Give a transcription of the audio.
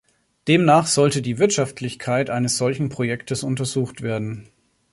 Demnach sollte die Wirtschaftlichkeit eines solchen Projektes untersucht werden.